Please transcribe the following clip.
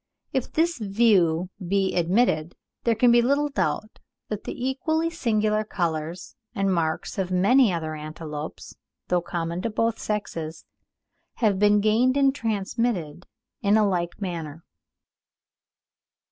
If this view be admitted, there can be little doubt that the equally singular colours and marks of many other antelopes, though common to both sexes, have been gained and transmitted in a like manner.